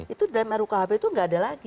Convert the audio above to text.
itu di dalam rukhp itu tidak ada lagi